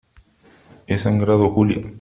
he sangrado , Julia .